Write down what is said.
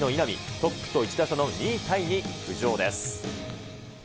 トップと１打差の２位タイに浮上です。